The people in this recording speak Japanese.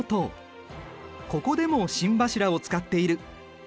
ここでも心柱を使っている。